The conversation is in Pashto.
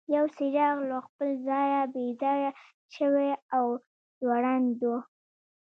یو څراغ له خپل ځایه بې ځایه شوی او ځوړند و.